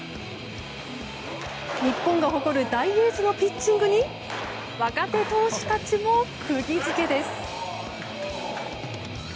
日本が誇る大エースのピッチングに若手投手たちも釘付けです。